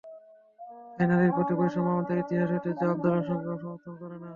তাই নারীর প্রতি বৈষম্য আমাদের ইতিহাস, ঐতিহ্য, আন্দোলন সংগ্রাম সমর্থন করে না।